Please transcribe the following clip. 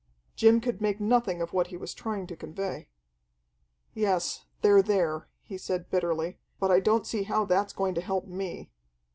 Jim could make nothing of what he was trying to convey. "Yes, they're there," he said bitterly, "but I don't see how that's going to help me."